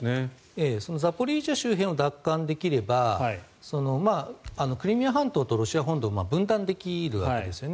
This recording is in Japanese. ザポリージャ州を奪還できればクリミア半島とロシア本土を分断できるわけですよね。